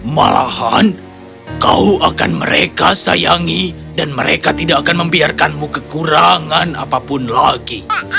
malahan kau akan mereka sayangi dan mereka tidak akan membiarkanmu kekurangan apapun lagi